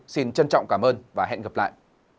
xin trân trọng cảm ơn và hẹn gặp lại